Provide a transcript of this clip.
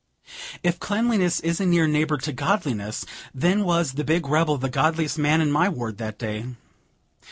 If cleanliness is a near neighbor to godliness, then was the big rebel the godliest man in my ward that day.